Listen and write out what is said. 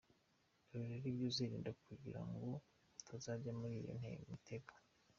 Dore rero ibyo uzirinda kugira ngo utazajya muri iyo mitego :.